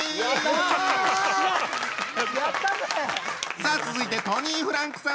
さあ続いてトニーフランクさん